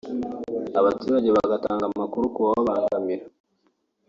abaturage bagatanga amakuru kubababangamira